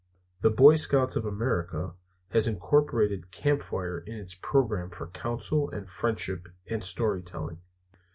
The Boy Scouts of America has incorporated the "campfire" in its program for council and friendship and story telling.